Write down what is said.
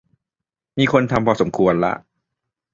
มีคนทำพอสมควรละ